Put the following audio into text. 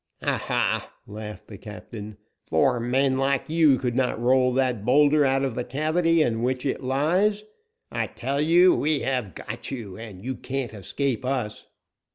"Ha! ha!" laughed the captain. "Four men like you could not roll that boulder out of the cavity in which it lies. I tell you we have got you, and you can't escape us."